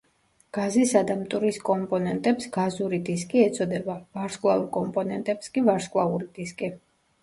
გაზისა და მტვრის კომპონენტებს გაზური დისკი ეწოდება, ვარსკვლავურ კომპონენტებს კი ვარსკვლავური დისკი.